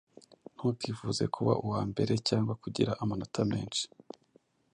Ntukifuze kuba uwambere cyangwa kugira amanota menshi